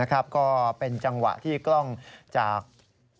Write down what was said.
ก็เป็นจังหวะที่กล้องจากหน้าโรงเรียน